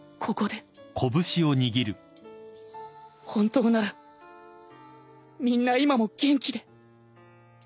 本当ならみんな今も元気で